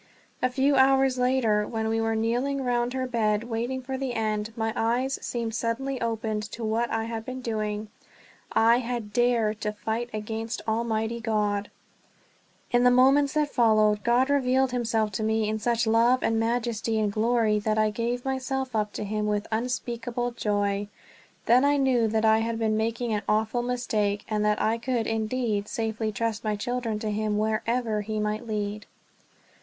A few hours later, when we were kneeling round her bedside waiting for the end, my eyes seemed suddenly opened to what I had been doing I had dared to fight against Almighty God. In the moments that followed God revealed himself to me in such love and majesty and glory that I gave myself up to him with unspeakable joy. Then I knew that I had been making an awful mistake, and that I could indeed safely trust my children to him wherever he might lead.